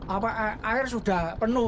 apa air sudah penuh